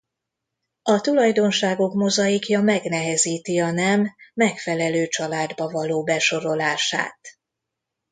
A tulajdonságok mozaikja megnehezíti a nem megfelelő családba való besorolását.